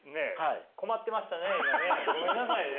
困ってましたね今ね。